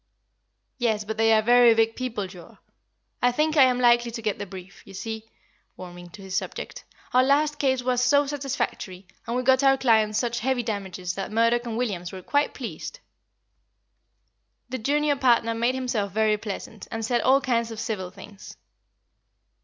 "Yes, but they are very big people. Joa, I think I am likely to get the brief. You see" warming to his subject "our last case was so satisfactory, and we got our client such heavy damages, that Murdoch & Williams were quite pleased. The junior partner made himself very pleasant, and said all kinds of civil things."